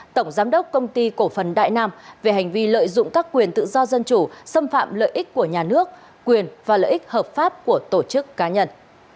tổng giám đốc công ty cổ phần đại nam về hành vi lợi dụng các quyền tự do dân chủ xâm phạm lợi ích của nhà nước quyền và lợi ích hợp pháp của tổ chức cá nhân